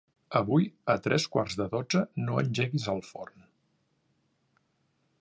Avui a tres quarts de dotze no engeguis el forn.